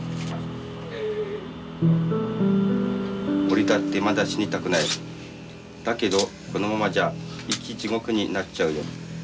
「俺だってまだ死にたくない。だけどこのままじゃ『生きジゴク』になっちゃうよ」。